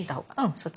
そっち？